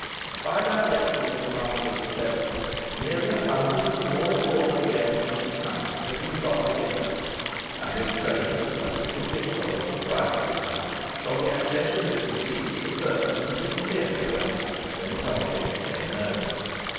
By direction of the master of the ceremonies, nearly a hundred of the more important gentlemen of the county had been got together, and this train was subsequently swelled to thrice the amount, from the accessions it received from persons of inferior rank when its object became known.